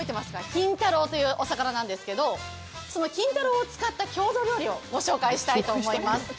金太郎というお魚なんですけど、その金太郎を使った郷土料理をご紹介します。